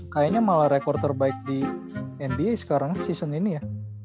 kayaknya malah rekor terbaik di nba sekarang season ini ya